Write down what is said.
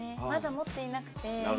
まだ持っていなくて。